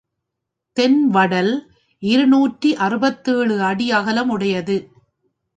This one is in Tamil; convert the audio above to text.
தென் வடல் இருநூற்று அறுபத்தேழு அடி அகலம் உடையது.